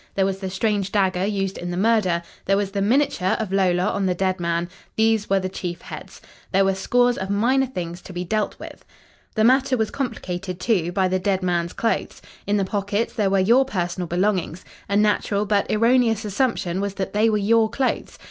There was the strange dagger used in the murder. There was the miniature of Lola on the dead man. These were the chief heads. There were scores of minor things to be dealt with. "The matter was complicated, too, by the dead man's clothes. In the pockets, there were your personal belongings. A natural, but erroneous assumption was that they were your clothes.